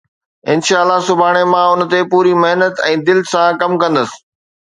انشاءَ الله، سڀاڻي مان ان تي پوري محنت ۽ دل سان ڪم ڪندس.